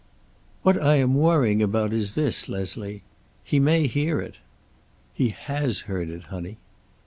"What I am worrying about is this, Leslie. He may hear it." "He has heard it, honey."